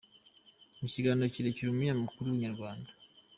Mu kiganiro kirekire umunyamakuru wa Inyarwanda.